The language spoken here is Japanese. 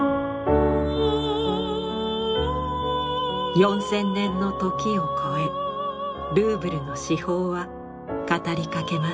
４，０００年の時を超えルーブルの至宝は語りかけます。